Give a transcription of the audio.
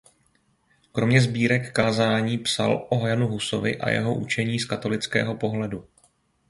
Kromě sbírek kázání psal o Janu Husovi a jeho učení z katolického pohledu.